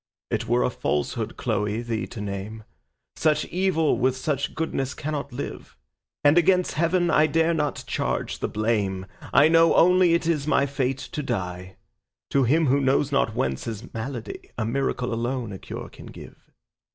It were a falsehood, Chloe, thee to name; Such evil with such goodness cannot live; And against Heaven I dare not charge the blame, I only know it is my fate to die. To him who knows not whence his malady A miracle alone a cure can give.